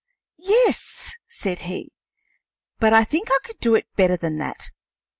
"Yes," said he; "but I think I can do it better than that.